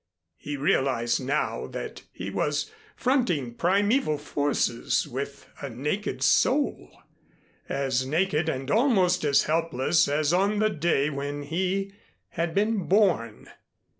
He realized now that he was fronting primeval forces with a naked soul as naked and almost as helpless as on the day when he had been born.